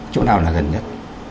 chỗ nào là gần nhất